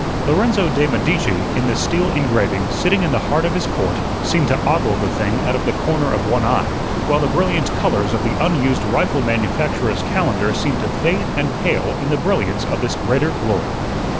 Lorenzo de' Medici, in the steel engraving, sitting in the heart of his court, seemed to ogle the thing out of the corner of one eye, while the brilliant colors of the unused rifle manufacturer's calendar seemed to fade and pale in the brilliance of this greater glory.